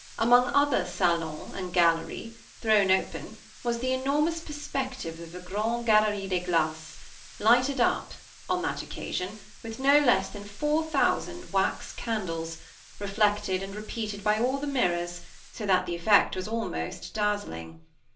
Among other salons and galleries, thrown open, was the enormous Perspective of the "Grande Galerie des Glaces," lighted up on that occasion with no less than four thousand wax candles, reflected and repeated by all the mirrors, so that the effect was almost dazzling.